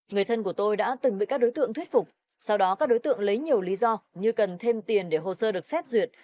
người thân của tôi đã từng bị các đối tượng thuyết phục sau đó các đối tượng lấy nhiều lý do như cần thêm tiền để hồ sơ được xét duyệt